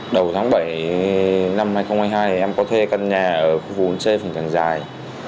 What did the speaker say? đầu tháng bảy năm hai nghìn hai mươi hai em có thuê căn nhà ở khu vùng c phần trang dài